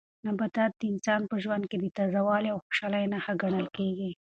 نباتات د انسان په ژوند کې د تازه والي او خوشالۍ نښه ګڼل کیږي.